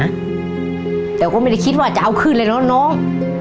เดี๋ยวก็ไม่ได้คิดว่าจะเอาคืนเลยนั้นน้อง